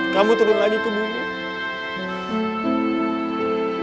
kamu turun lagi ke bumi